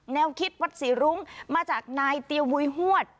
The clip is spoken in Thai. แนวคิดวัดศรีรุ้งมาจากนายเตียมุยฮวด